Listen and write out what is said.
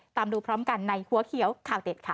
ตามดูพร้อมกันในหัวเขียวข่าวเด็ดค่ะ